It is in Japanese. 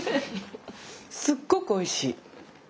すっごくおいしい。